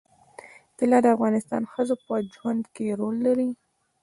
طلا د افغان ښځو په ژوند کې رول لري.